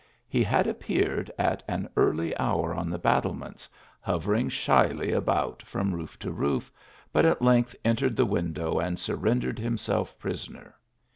He had appeared at an early hour on the battlements, hovering shyly about from roof to roof, but at length entered the window jmu surrendered himself prisoner.